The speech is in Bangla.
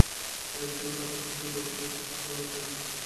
নিজাম সাহেব রাতে খেতে বসে দেখলেন, আজও অনেক আয়োজন।